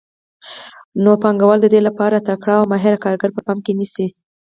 نو پانګوال د دې کار لپاره تکړه او ماهر کارګر په پام کې نیسي